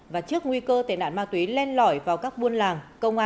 và trước nguy cơ tệ nạn ma túy len lỏi vào các buôn làng